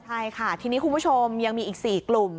ใช่ค่ะทีนี้คุณผู้ชมยังมีอีก๔กลุ่ม